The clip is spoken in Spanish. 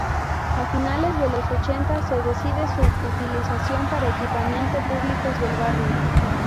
A finales de los ochenta se decide su utilización para equipamiento públicos del barrio.